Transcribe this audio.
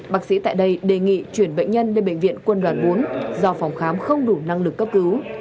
bác sĩ tại đây đề nghị chuyển bệnh nhân lên bệnh viện quân đoàn bốn do phòng khám không đủ năng lực cấp cứu